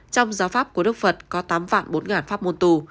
trong giáo pháp của đức phật có tám bốn trăm linh pháp môn tù